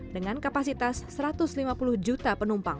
dengan kapasitas satu ratus lima puluh juta penumpang